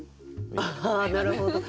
ああなるほど。